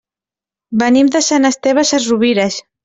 Venim de Sant Esteve Sesrovires.